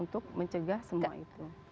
dan juga semua itu